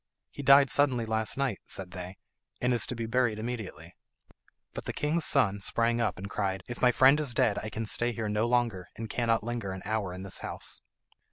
"He died suddenly last night," said they, "and is to be buried immediately." But the king's son sprang up, and cried, "If my friend is dead I can stay here no longer, and cannot linger an hour in this house."